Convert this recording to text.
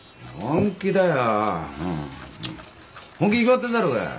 本気だよ。